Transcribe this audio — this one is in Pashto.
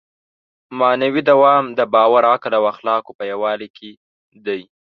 معنوي دوام د باور، عقل او اخلاقو په یووالي کې دی.